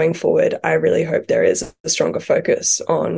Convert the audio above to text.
dan berlanjut saya sangat berharap ada fokus yang lebih kuat